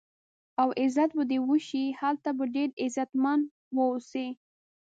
او عزت به دې وشي، هلته به ډېر عزتمن و اوسې.